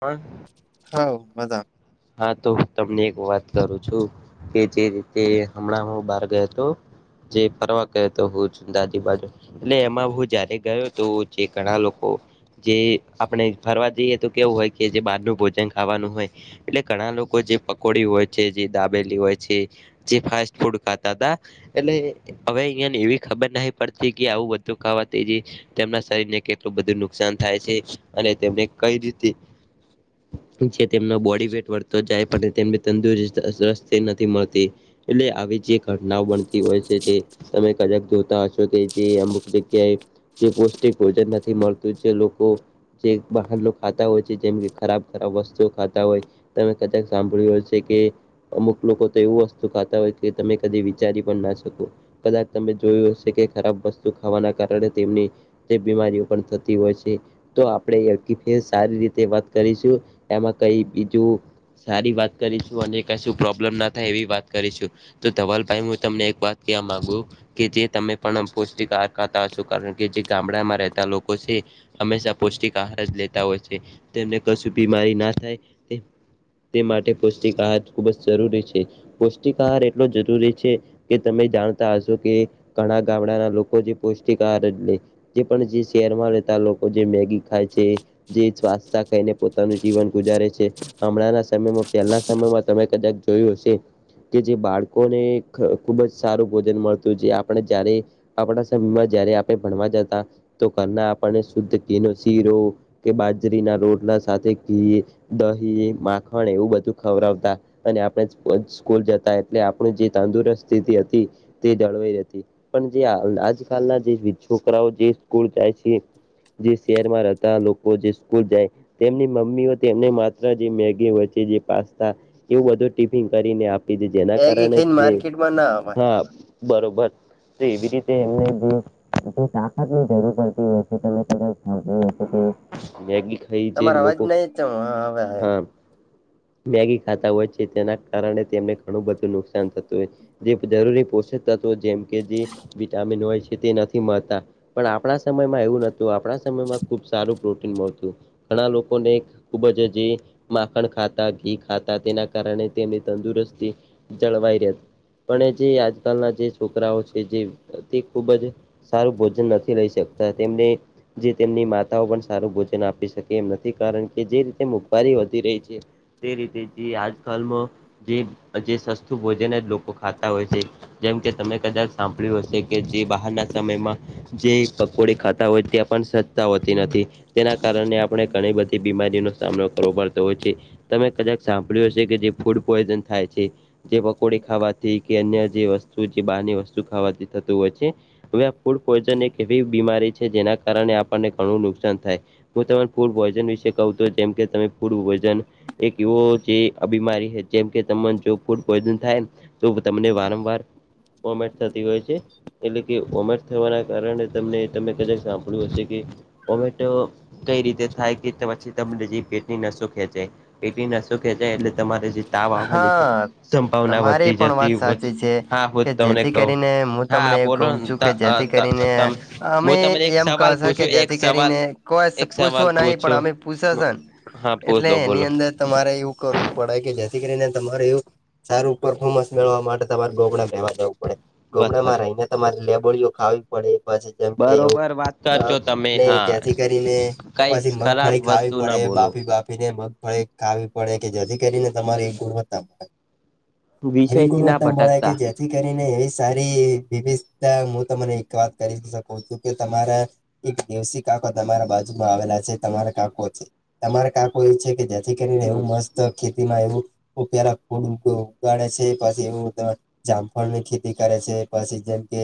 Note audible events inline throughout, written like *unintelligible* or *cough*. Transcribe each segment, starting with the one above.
પણ. હ બધા. હા તો હું તમને એક વાત કરું છું કે જે રીતે હમણાં હું બહાર ગયો હતો જે ફરવા કયો તો ભુજ દાદી બાજુ એટલે એમાં હું જયારે ગયો તો જે ઘણા લોકો જે આપણે ફરવા જઈએ તો કેવું હોય કે જે બહારનું ભોજન ખાવાનું હોય. એટલે ઘણા લોકો જે પકોડી હોય છે જે દાબેલી હોય છે જે ફાસ્ટ ફૂડ ખાતા તા એટલે હવે અહિયાં એવી ખબર નહીં પડતી કે આવું બધું ખાવા થીજ તેમના શરીરને કેટલું બધું નુકસાન થાય છે અને તેમને કઈ રીતે જે તેમનો બોડી વેટ જાય તેમને તંદુરસ્ત નથી મળતી એટલે આવી જ એક ઘટનાઓ બનતી હોય છે તે તમે કદાક જોતા હશો કે જે અમુક જગ્યાએ જે પૌષ્ટિક ભોજન નથી મળતું જે લોકો જે બહાર ખાતા હોય છે જેમ કે ખરાબ ખરાબ વસ્તુઓ ખાતા હોય તમે કદાચ સાંભળ્યું હશે છે કે અમુક લોકો તો એવું વસ્તુ ખાતા હોય કે તમે કદી વિચારી પણ ના શકો. કદાચ તમે જોયું હશે કે ખરાબ વસ્તુ ખાવાના કારણે તેમની બીમારીઓ પણ થતી હોય છે. તો આપણે સારી રીતે વાત કરીશું એમાં કઈ બીજું સારી વાત કરીશું અને કઈ શું પ્રોબ્લેમ ના થાય એવી વાત કરીશું. તો ધવલ ભાઈ હું તમને એક વાત કેવા માગું કે જે તમે પણ પૌષ્ટિક આહાર ખાતા હશો કારણ કે જે ગામડામાં રહેતા લોકો છે. હંમેશા પૌષ્ટિક આહાર જ લેતા હોય છે તેમને કશું બીમારી ના થાય તે તે માટે પૌષ્ટિક આહાર ખૂબ જ જરૂરી છે પૌષ્ટિક આહાર એટલો જરૂરી છે. કે તમે જાણતા હશો કે ઘણા ગામડાના લોકો જે પૌષ્ટિક આહાર જે પણ જે શહેરમાં રહેતા લોકો જે મેગી ખાય છે. જે સ્સતા ખાયને પોતાનું જીવન ગુજારે છે. હમણાંના સમયમાં પહેલાના સમયમાં તમે કદાચ જોયું હશે. કે જે બાળકોને ખુબ જ સારું ભોજન મળતું જે આપણે જારે આપણા સમયમાં જયારે આપણે ભણવા જતા તો ઘરના આપણને શુદ્ધ ઘી શીરો કે બાજરીના લોોટલા સાથે ઘી દહી માખણ એવું બધું ખવડવતા અને આપણે સ્કૂલ જતા એટલે આપણ જે તંદુરસ્ત સ્થિતિ હતી. તે જળવાઈ હતી પણ જે આજકાલના જે છોકરાઓ જે સ્કૂલ જાય છે. જે શહેરમાં રહેતા લોકો જે સ્કૂલ જાય તેમની મમ્મીઓ તેમને માત્ર જે મે કે વચે જે પાસ્તા એવું બધું ટિફિન કરીને આપ જેના બેગી કારણે ખાઈને તે માર્કેટમાં ના અવાય હા બરોબર. તો એવી રીતે એમને જે જે તાકાતની જરૂર પડતી હોય છે ત *unintelligible* થઈ જે તમારો અવાજ લોકો નહી જ હવે આવ્યો હા *unintelligible* મેગી ખાતા હોય છે તેના કારણે તેમને ઘણું બધું નુકસાન થતું હોય છે. જે જરૂરી પોષક તત્વો જેમ કે જે વિટામિન હોય છે તે નથી મળતા. પણ આપણા સમયમાં એવું નથી તો આપણા સમયમાં ખુબ સારું પ્રોટીન મળતું ઘણા લોકોને ખુબ જ જે માખણ ખાતા ઘી ખાતા તેના કારણે તેમની તંદુરસ્તી જળવાઈ રહ પણ જે આજકાલના જે છોકરાઓ છે જે તે ખુબ જ સારું ભોજન નથી લઈ શકતા તેમને જે તેમની માતાઓ પણ સારું ભોજન આપી શકે એમ નથી કારણ કે જે રીતે મુઘવારી ર છે તે રીતે જે આજકાલમાં જે જે સસ્તું ભોજન જ લોકો ખાતા હોય છે. જેમ કે તમે કદાચ સાંભળ્યું હશે કે જે બહારના સમયમાં જે પકોડી ખાતા હોય ત્યાં પણ સજ્તા હોતી નથી તેના કારણે આપણે ઘણી બધી બીમારી નો સામનો કરવો પડશે. છે તમે કદાક સાંભળ્યું હશે કે જે ફૂડ પોઈઝન થાય છે જે પકોડી ખાવાથી કે અન્ય જે વસ્તુ જે બહારની વસ્તુ ખાવાથી થતું હોય છે હવે આ ફૂડ પોઈન એક એવી બીમારી છે જેના કારણે આપણને ઘણું નુકસાન થાય. હું તને ફૂડ પોઈઝન વિશે કહું તો જેમ કે તમે એક એવ બીમારી જેમ કે ત જો ફૂ થાય તો તમને વારંવાર કોમેન્ટ થતી હોય છે એટલે કે વમેટ થવાના કારણે તમને તમે કદાક સાંપળ્યું હશે કે ટમેટો કઈ રીતે થાય કે પછી તમને જ નસો ખેંચાય એટલી નસો ખેંચાય એટલે તમારે જે તાવ આવવાની હા સંભાવના તમારી વધતી પણ જતી વાત હોય સાચી છે હા હું કે તમને જેથી કહું કરીને હા તમને એવું કહું બોલો છું કે જેથી કરીને અમે હું તમને એક એમ સવાલ કશ કે પૂછું એક જેથી સવાલ કરીને કોઈ એક પૂછો સવાલ નહીં પણ પૂછું અમે પૂછશે હા એટલે બોલો એની બોલો અંદર તમારે એવું કરવું પડે કે કરીને તમારે એવું સારું પરફોર્મન્સ મેળવા માટે તમારે બોગડા ભવા જવું વાત પડે હાજુ *unintelligible* રહીને તમારે લેબોડીીઓ ખાવી પડે પછી જેમ કે એવું બરોબર વાત કરજો તમે નહી હા જે્યાથી કરીને કઈ પછી ખરાબ મગફળી ખાવી વસ્તુ ના પડે બોલો બાફી બાફી ીને મગફળે ખાવી પડે કે જેથી કરીને તમારી ગુણવત્તા મળે *unintelligible* વિષય એવી થી ના ગુણવત્તા મળે કે ભટકતા જે જેથી કરીને એ સારી વિવિધતા હું તમને એક વાત કરી શકું છું કે તમારા એક દવસી કાકો તમારા બાજુમાં આવેલા છે તમારા કાકો છે તમારા કાકો એ છે કે જેથી કરીને હમ એવું મસ્ત ખેતીમાં એવું પેલા ખોડ ઉગાડે છે પછી એવું જામફળ ની ખેતી કરે છે પછી જેમ કે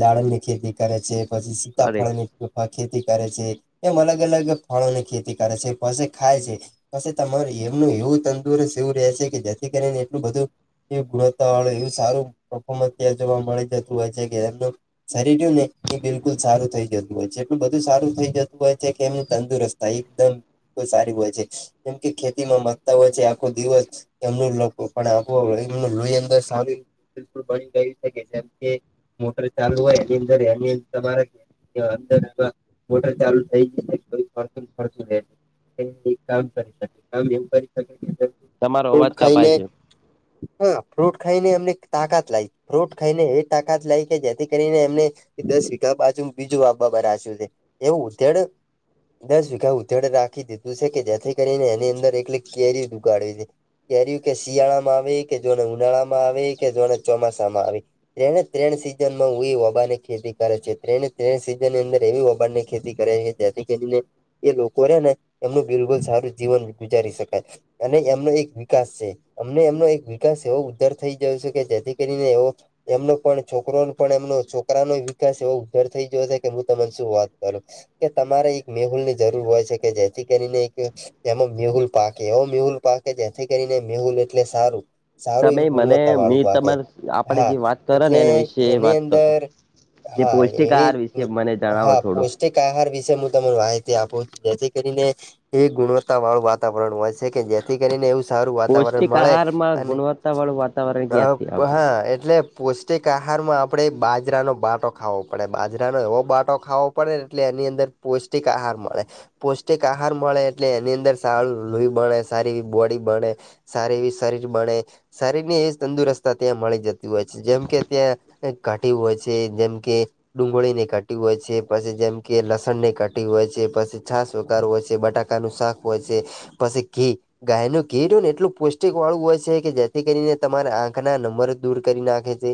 દાળણ ની ખેતી કરે છે. પછી કરે સીતાફળ ની ખેતી કરે છે એમ અલગ અલગ ફળોની ખેતી કરે છે પસે ખાય છે. પછ તમારે એમનું એવું તંદુરસ્ત એવું રહે છે કે જેથી કરીને એટલું બધું એ ગુણવત્તા વાળ એવું સારુંફોર્મં જોવા મળી જતું હોય છે કે એમ- શરીરું ને એ બિલકુલ સારું થઈ જતું હોય છે એટલું બધું સારું થઈ જતું હોય છે કે એમ તંદુરસ્ત અ એકદમ તો સારી હોય છે કેમ કે ખેતીમાં મગતા હોય છે. કોઈ દિવસ તમને લોકો પણ આપવા પડે એમ લુઈ અંદર સારી. બિલકુલ બની ગઈ શકે જેમ કે મોટર ચાલુ હોય એની અંદર એની તમારે તે અંદર મોટર ચાલુ થઈ જાય *inaudible* એ કામ કરી શકે કામ એમ કરી શકે કે તમારો ફ્રૂટ અવાજ કપાય ખાઈને છે હા ફ્રૂટ ખાઈને એમને તાકાત લાગ ફ્રૂટ ખાઈને એ ટાકા જ લાય કે જેથી કરીને એમને દસ વિના બાજુ પાછુ બીજું બાબાસ્યું છે એવું ઉધેડ દસ વીખા ઉથડે રાખી દીધું છે કે જેથી કરીને એની અંદર એકલી કેરી ગાડી દે કેરી કે શિયાળામાં આવે કે, જોને ઉનાળામાં આવે કે જોને ચોમાસામાં આવે. ત્રણે ત્રણ સીઝનમાં હું એ ઓબાની ખેતી કરે છે ત્રણે ત્રણ સીઝનની અંદર એવી ઓબાની ખેતી કરે હે. તેથી કરીને એ લોકો રહ્યા ને એમનું બિલકુલ સારું જીવન ગુજારી શકાય. અને એમનો એક વિકાસ છે. અમને એમનો એક વિકાસ એવો ઉધાર થઈ જયો છે કે જેથી કરીને એવો એમનો પણ છોકરોનો પણ એમનો છોકરાનો વિકાસ એવો ઉધાર થઇ ગયો છે કે હું તમને શું વાત કરુ. કે તમારે એક મેહુલની જરૂર હોય છે કે જેથી કરીને એક એમાં મેહુલ પાક એવો મેહુલ પાકે જેથી કરીને મેહુલ એટલે સારું. સારું તમે એવી મને ગુણવત્તા મે વાળું પાકે તમારે આપણે હા જે વાત કરો ને એટલે એના વિશે એની વાત કરો અંદર જે હા પૌષ્ટિક એવી આહાર વિશે મને જણાવો હા થોડો પૌષ્ટિક આહાર વિશે મું તમને માહિતી આપું. જેથી કરીને એ ગુણવત્તાવાળું વાતાવરણ હોય સે. કે જેથી કરીને એવું સારું વાતાવરણ પૌષ્ટિક મળે આહારમાં અને ગુણવત્તા વાળું વાતાવરણ અ ક્યાંથી બ આવે હા એટલે પૌષ્ટિક આહારમાં આપણે બાજરાનો બાટો ખાવો પડે બાજરાનો એવો બાટો ખાવો પડે એટલે એની અંદર પૌષ્ટિક આહાર મળે પૌષ્ટિક આહાર મળે એટલે એની અંદર સારું લોહી બણે, સારી એવી બોડી બણે, સારી એવી શરીર બણે. સારી બી એવી તંદુરસ્તતા ત્યાં મળી જતી હોય છે જેમ કે ત્યાં એ કઢી હોય છે જેમ કે ડુંગળીની કઢી હોય છે, પછી જેમ કે લસણની કઢી હોય છે, પછી છાસ વઘાર હોય છે, બટા કાનું શાક હોય છે, પસી ઘી ગાયનું ઘી રયુ ને એટલું પૌષ્ટિક વાળું હોય છે કે જેથી કરીને તમારા આંખના નંબર દૂર કરી નાખે છે.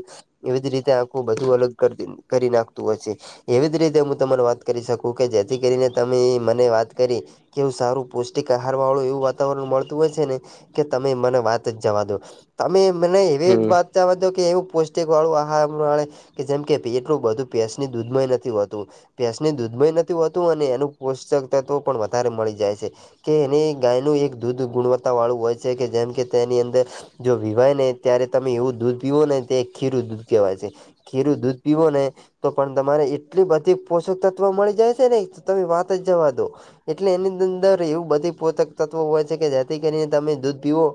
એવી જ રીતે આંખું બધું અલગ કર કરી નાખતું હોય છે. એવી જ રીતે મું તમને વાત કરી શકું કે જેથી કરીને તમે મને વાત કરી કે એવું સારું પૌષ્ટિક આહારવાળો એવું વાત વાતાવરણ મળતું હોય છે ને કે તમે મને વાત જ જવા દો. તમે મને એવી વાત હમ જાવા દો કે એવું પૌષ્ટિકવાળું આહાર મળે. કે જેમ કે પેટલું બધું ભેંસની દૂધમાં એ નથી હોતું. ભેસની દૂધમાં એ નથી હોતું અને એનું પોષક તત્વ પણ વધારે મળી જાય છે. કે એની ગાયનું એક દૂધ ગુણવત્તા વાળું હોય છે કે જેમ કે તેની અંદર જો વીવાય ને ત્યારે તમે એવું દૂધ પીવોને તે એક ખીરું દૂધ કહેવાય છે. ખીરું દૂધ પીવોને તો પણ તમારે એટલી બધી પોષકતત્ત્વો મળી જાય છે ને ઈ તો તમે વાત જ જવા દો. એટલે એની અંદર એવું બધી પોતકતત્વો હોય છે કે જેથી કરીને તમે દૂધ પીવો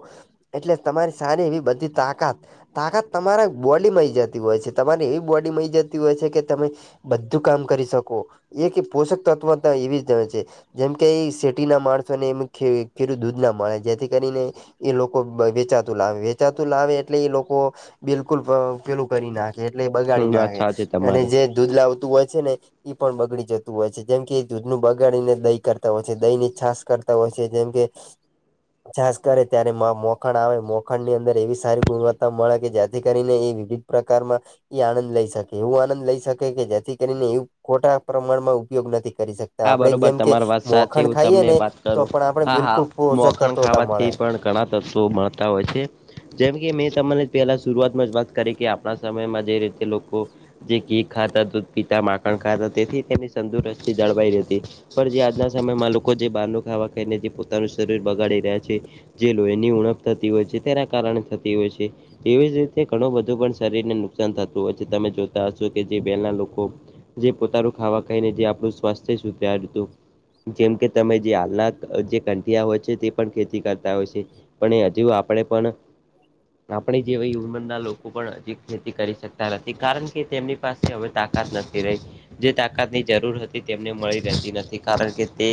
એટલે તમારી સારી એવી બધી તાકાત તાકાત તમારા બોડી મઈ જતી હોય છે તમારી એવી બોડી મઈ જતી હોય છે કે તમે બધું કામ કરી શકો. ઈ એ કે પોષકતત્વતા એવી જ હોય છે જેમ કે ઈ શેટીના માણસોને એમજ કે ખીરું દૂધ ના મળે જેથી કરીને એ લોકો વેચાતું લાવે વેચાતું લાવે એટલે એ લોકો બિલકુલ પેલું કરી નાખે એટલે એ બગાડી વાત નાખે સાચી અને તમારી જે દૂધ લાવતું હોય છે ને ઈ પણ બગડી જતું હોય છે. જેમ કે એ દૂધનું બગાડીને દહી કરતા હોય છે, દહીંની છાસ કરતા હોય છે જેમ કે *inaudible* છાસ કરે ત્યારે માં મોખણ આવે મોખાણની અંદર એવી સારી ગુણવત્તા મળે કે જેથી કરીને એ વિવિધ પ્રકારમાં એ આણંદ લઈ શકે એવું આનંદ લઈ શકે કે જેથી કરીને એવું ખોટા પ્રમાણમાં ઉપયોગ નથી કરી શક હા આપણેે બરોબર જેમ કે તમારી વાત સાચી મોખણ હું ખાઈએ તમને ને વાત તો કરું પણ આપણે બિલકુલ પોષક તત્વતા મળે. એટલે ઘણા તત્વો મળતા હોય છે. જેમ કે મેં તમને પેલા શુરૂઆતમાં જ વાત કરી કે આપણા સમયમાં જે રીતે લોકો જે ઘી ખાતા, દૂધ પીતા, માખણ ખાતા તેથી તેની તંદુરસ્તી જળવાઈ રેતી. પણ જે આજના સમયમાં લોકો જે બહારનું ખાવા ખાઈને જે પોતાનું શરીર બગાડી રહ્યા છે. જે લોઈ ની ઉણપ થતી હોય છે તેના કારણે થતી હોય છે. એવી જ રીતે ઘણું બધું પણ શરીરને નુકસાન થતું હોય તમે જોતા હશો કે જે પેલા લોકો. જે પોતાનું ખાવા ખાઈને જે આપણું સ્વાસ્થ્ય વિધાથી ઓ. જેમ કે તમે જે હાલના જે કંઠિયા હોય છે તે પણ ખેતી કરતા હોય છે. પણ એ હજુ આપડે પણ. આપણે જેવા ઉમર ના લોકો પણ હજી ખેતી કરી શકતા નથી કારણ કે તેમની પાશે હવે તાકાત નથી રહી જે તાકાતની જરૂર હતી તેમને મળી રહેતી નથી કારણ કે તે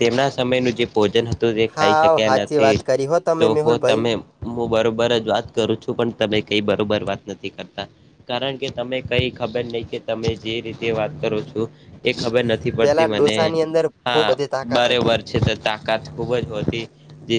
તેમના સમયનું જે ભોજન હતું તે ખાઈ શક્યા નથી. તો તમે હો મેહુલભાઈ તમે હું બરોબર જ વાત કરું છું પણ તમે કઈ બરોબર વાત નથી કરતા. કારણ કે તમે કઈ ખબર નહી કે તમે જે રીતે વાત કરો છો. એ ખબર નથી પેલા પડતી મને ડોસાની અંદર ખૂબ હા બધી તાકાત હતી બરેબર છે તો તા કાત ખૂબ જ વધી જે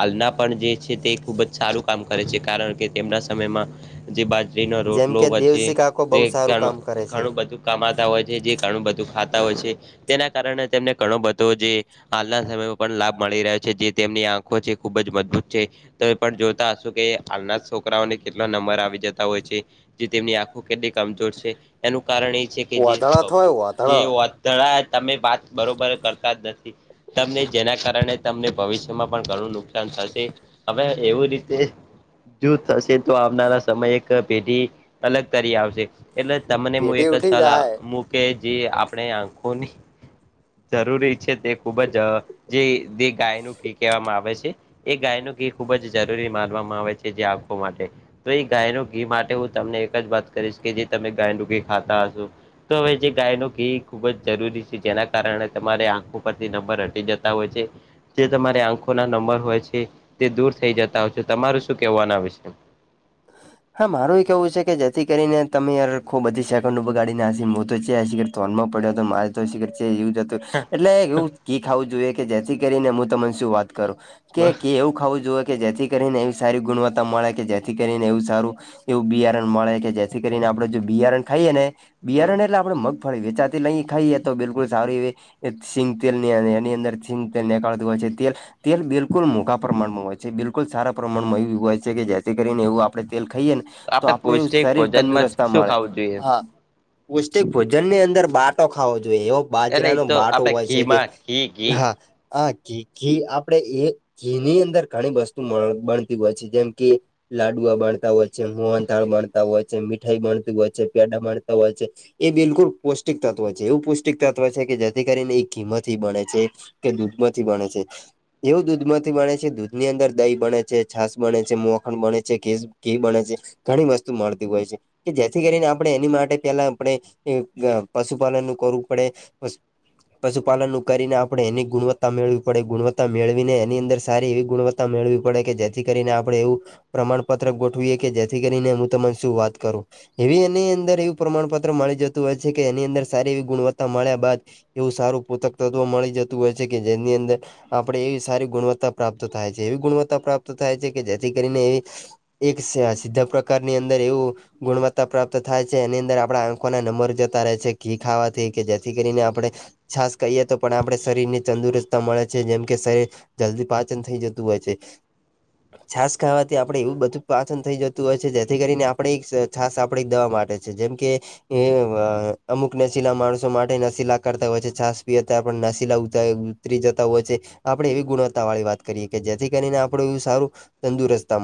આલના પણ જે છે તે ખૂબ જ સારું કામ કરે છે કારણ કે તેમના સમયમાં જે બાજરીનો જેમ રોટલો કે દેવસી પછી કાકો તે બહુ સારું ઘણું કામ કરે છે ઘણું બધું. કમાંતા હોય છે જે ઘણું બધુ ખાતા હોય છે તેના કારણે તેમને ઘણો બધો જે હાલના સમય મા પણ લાભ મળી રહ્યો છે જે તેમની આંખો છે ખુબ જ મજબૂત છે. તો એ પણ જોતા હશું કે હાલના છોકરાઓને કેટલા નંબર આવી જતા હોય છે. જે તેમની આંખો કેટલી કમજોર છે એનું કારણ એ છે કે જે વાધળો થોય જે વાધળો તમે વાત બરોબર કરતા જ નથી તમને જેના કારણે. તમને ભવિષ્યમાં પણ ઘણું નુકસાન થશે હવે એવું રીતે જો થશે. તો આવનારા સમયે એક પેઢી અલગ તરી આવશે એટલે તમને હું પેઢી એક જ ઉઠી સલાહ જાય મુું કે જે આપણે આંખોની જરૂરી છે તે ખૂબ જ જે ગાયનું ઘી કહેવામાં આવે છે. એ ગાય નું ઘી ખૂબ જ જરૂરી માનવામાં આવે છે જે આખો માટે તો એ ગાયનું ઘી માટે હું તમને એક જ વાત કરીશ કે જે તમે ગાયનું ઘી ખાતા હશું તો હવે જે ગાય ન ઘી ખુબ જ જરૂરી છે જેના કારણે તમારે આંખો પરથી નંબર હટી જતા હોય છે. જે તમારે આંખો ના નંબર હોય છે તે દૂર થઈ જતા હોય છે તમારૂ શું કહેવુ આના વિશે. હા મારું કેવું છે કે જેથી કરીને તમે યાર ખુ બધી સેકન્ડ બગાડી ના મુ તો ચિયા સિખબર ધોન માં પડ્યો તો મારે છે એવું જ હતું એટલે એવું કી ખાવું જોઈએ કે જેથી કરીને હું તમન શું વાત કરું. કે એવું ખાવું જોઈએ કે જેથી કરીને એવી સારી ગુણવત્તા મળે કે જેથી કરીને એવું સારું એવું બિયારણ મળે કે જેથી કરીને આપડે જો બિયારણ ખાઈએ ને બિયારણ એટલે આપડણે મગ મગફળી વેચાતી લઈ ખાઈએ તો બિલકુલ સારૂ એવી સિંગતેલ ની એની અંદર સિંગતેલ નેકળતું હોય છે તેલ તેલ બિલકુલ મોઘા પ્રમાણમાં હોય છે બિલકુલ સારા પ્રમાણમાં એવું હોય છે કે જેથી કરીને એવું આપણે તેલ ખઈએ ને તો આપણે આપડું એવું પૌષ્ટિક શરીર ભોજનમાં તંદુરસ્તા શું મળે ખાવું જોઈએ હા. પૌષ્ટિક ભોજન ની અંદર બાટો ખાવો જોઈએ એવ. એટલે એ બાજરાનો તો બાટો આપણે હોય છે કે ઘીમાં ઘી ઘી હા. આ ઘી ઘી આપડે એ ઘી ની અંદર ઘણી વસ્તુ બનતી હોય છે જેમ કે. લાડુઆ બાણતા હોય છે મોહનથાળ બાણતા હોય છે મીઠાઈ બાણતું હોય છે પ્યાડા બાણતા હોય છે. એ બિલકુલ પૌષ્ટિક તત્વ છે એવું પૌષ્ટિક તત્વ છે કે જેથી કરીને એ કિંમત બણે છે. કે દૂધ માંથી બણે છે. એવું દૂધમાંથી બને છે દૂધ ની અંદર દહી બને છે છાસ બને છે મોખણ બને છે ઘ ઘી બને છે. ઘણી વસ્તુ મળતી હોય છે કે જેથી કરીને આપણે એની માટે. પેલા આપણે પશુપાલન નું કરવું પડે. પશુપાલન નું કરીને આપણે એની ગુણવત્તા મેળવી પડે ગુણવત્તા મેળવીને એની અંદર સારી એવી ગુણવત્તા. મેળવી પડે કે જેથી કરીને આપડણે એવું. પ્રમાણપત્ર ગોઠવીએ કે જેથી કરીને હું તને શું વાત કરું એવી એની અંદર એ. પ્રમાણપત્ર મળી જતું હોય છે કે એની અંદર સારી એવી ગુણવત્તા મળ્યા બાદ. એવું સારું પોતક તત્વ મળી જતું હોય છે કે જેની અંદર. આપણે એવી સારી ગુણવત્તા પ્રાપ્ત થાય છે એવી ગુણવત્તા પ્રાપ્ત થાય છે કે જેથી કરીને એવી. એક સી સીધા પ્રકારની અંદર એવું ગુણવત્તા પ્રાપ્ત થાય છે એની આપણા આંખો ના નંબર જતા રહે છે ઘી ખાવાથી કે જેથી કરીને આપણે છાસ કહીએ તો પણ આપડણે શરીર ની તંદુરસ્તા મળે છે જેમ કે શરીર જલ્દી પાચન થઇ જતું હોય છે. છાસ ખાવાથી આપડે એવું બધું પાચન થઈ જતું હોય છે જેથી કરીને આપણે છાસ આપણે દવા માટે છે જેમ. કે. એ અમુક નશીલા માણસો માટે નશીલા કરતા હોય છે છાસ પીતા પણ નશીલા ઉત. ઉત જતા હોય છે આપડણે એવી ગુણવત્તા વાળી વાત કરીએ કે જેથી કરીને આપડુ એવું સારું તંદુરસ્તા મળે.